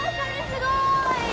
すごーい！